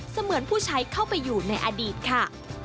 เหมือนผู้ใช้เข้าไปอยู่ในอดีตค่ะ